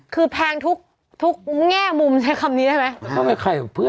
คือแพงทุกแง่มุมใช้คำนี้ได้ไหม